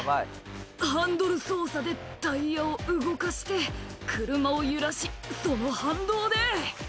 「ハンドル操作でタイヤを動かして車を揺らしその反動で」